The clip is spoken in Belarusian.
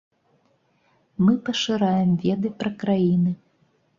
Мы пашыраем веды пра краіны.